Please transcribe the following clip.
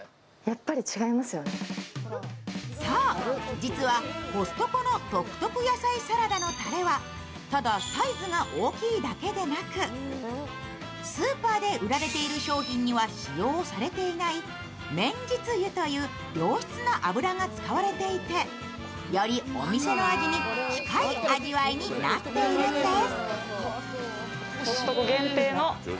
実はコストコの特得野菜サラダのたれはただサイズが大きいだけではなくスーパーで売られている商品には使用されていない綿実油という良質の油が使われていて、よりお店の味に近い味わいになっているんです。